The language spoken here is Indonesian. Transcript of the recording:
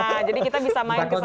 nah jadi kita bisa main ke sana